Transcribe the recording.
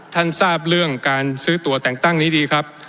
ทราบเรื่องการซื้อตัวแต่งตั้งนี้ดีครับ